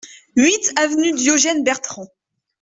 huit avenue Diogène Bertrand